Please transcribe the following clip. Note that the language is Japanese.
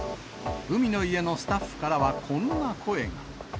海の家のスタッフからはこんな声が。